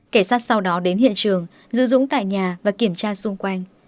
cảnh sát sau đó đến hiện trường giữ dũng tại nhà và kiểm tra xung quanh